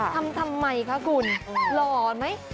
ทำไมคะคุณหล่อไหม